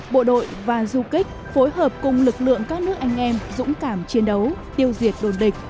bộ đội và du kích phối hợp cùng lực lượng các nước anh em dũng cảm chiến đấu tiêu diệt đồn địch